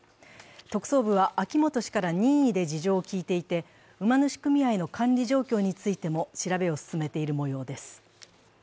特捜部は、秋本氏から任意で事情を聞いていて馬主組合の管理状況についても調べを進めているもようです。